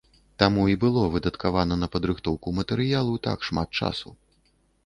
Таму і было выдаткавана на падрыхтоўку матэрыялу так шмат часу.